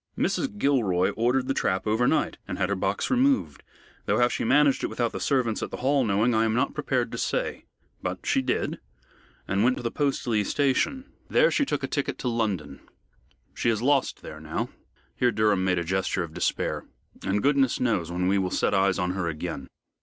"Mrs. Gilroy ordered the trap overnight and had her box removed, though how she managed it without the servants at the Hall knowing, I am not prepared to say. But she did, and went to the Postleigh station. There she took a ticket to London. She is lost there now" here Durham made a gesture of despair "and goodness knows when we will set eyes on her again."